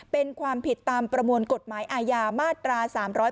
เป็นความผิดตามประมวลกฎหมายอาญามาตรา๓๗